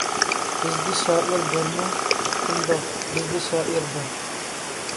بىزدە شائىر بارمۇ؟ شۇنداق، بىزدە شائىر بار.